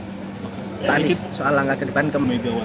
pak anies soal langkah ke depan kemenangan